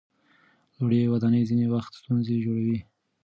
لوړې ودانۍ ځینې وخت ستونزې جوړوي.